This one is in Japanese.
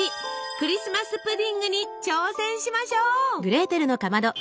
クリスマス・プディングに挑戦しましょう！